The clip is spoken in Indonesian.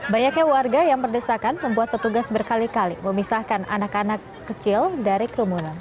banyaknya warga yang berdesakan membuat petugas berkali kali memisahkan anak anak kecil dari kerumunan